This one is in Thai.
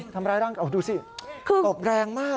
ทำร้ายร่างกายดูสิตบแรงมาก